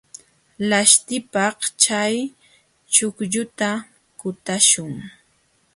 Laśhtipaq chay chuqlluta kutaśhun.